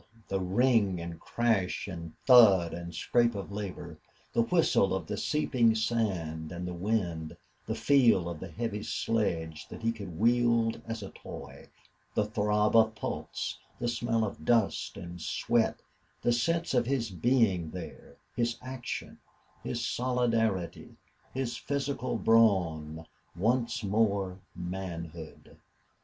the ring and crash and thud and scrape of labor, the whistle of the seeping sand on the wind, the feel of the heavy sledge that he could wield as a toy, the throb of pulse, the smell of dust and sweat, the sense of his being there, his action, his solidarity, his physical brawn once more manhood.